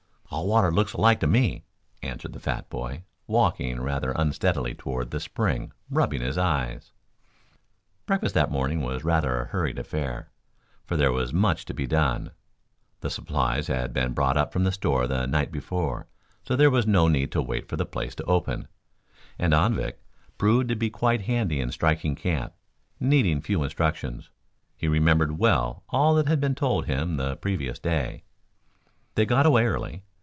"All water looks alike to me," answered the fat boy, walking rather unsteadily toward the spring, rubbing his eyes. Breakfast that morning was rather a hurried affair, for there was much to be done. The supplies had been brought up from the store the night before so there was no need to wait for the place to open, and Anvik proved to be quite handy in striking camp, needing few instructions. He remembered well all that had been told him the previous day. They got away early.